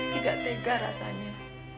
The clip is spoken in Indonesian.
tidak tega rasanya